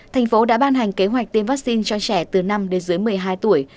thành phố đã ban hành kế hoạch tiêm vaccine cho trẻ từ năm đến dưới một mươi hai tuổi